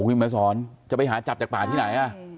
เห้ยเน็ตสอนจะไปหาจับจากฝั่งทีไหนอ่ะ